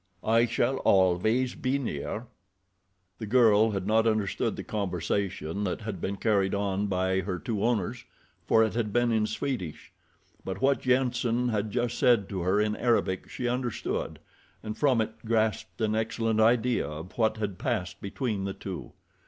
"I shall always be near." The girl had not understood the conversation that had been carried on by her two owners, for it had been in Swedish; but what Jenssen had just said to her in Arabic she understood and from it grasped an excellent idea of what had passed between the two.